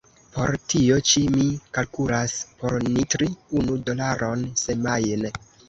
Por tio ĉi mi kalkulas por ni tri unu dolaron semajne.